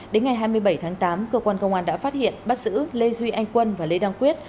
đến ngày hai mươi bảy tháng tám cơ quan công an đã phát hiện bắt giữ lê duy anh quân và lê đăng quyết